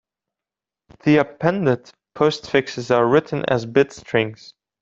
The appended postfixes are written as bit strings.